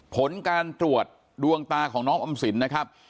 ผลการตรวจดวงตาของน้องออมสินนะครับ